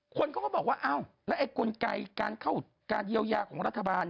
คนก็บอกว่าแล้วกลไกการเยียวยาของรัฐบาล